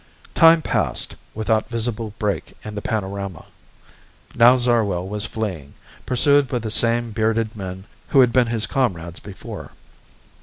Time passed, without visible break in the panorama. Now Zarwell was fleeing, pursued by the same bearded men who had been his comrades before.